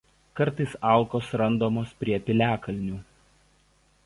Kartais alkos randamos prie piliakalnių.